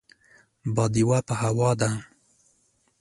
باديوه په هوا ده.